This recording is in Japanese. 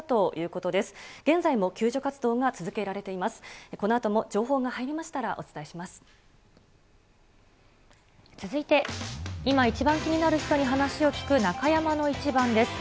このあとも情報が入りましたらお続いて、今一番気になる人に話を聞く、中山のイチバンです。